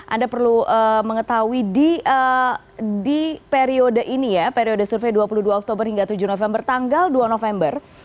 anda perlu mengetahui di periode ini ya periode survei dua puluh dua oktober hingga tujuh november tanggal dua november